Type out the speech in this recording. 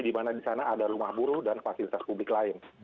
di mana di sana ada rumah buruh dan fasilitas publik lain